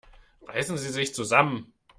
Reißen Sie sich zusammen!